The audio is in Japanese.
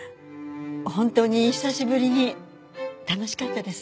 本当に久しぶりに楽しかったです。